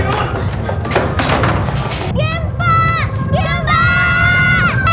bang dan civicake